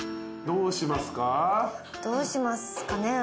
どうしますかね。